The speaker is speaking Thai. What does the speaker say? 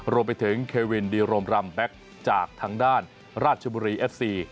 รวมไปถึงเควินดีโรมรำแบ็คจากทางด้านราชบุรีเอฟซี